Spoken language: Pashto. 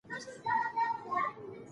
تبعيد د ژوند نوې بڼه وه.